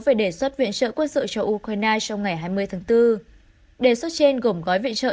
về đề xuất viện trợ quân sự cho ukraine trong ngày hai mươi tháng bốn đề xuất trên gồm gói viện trợ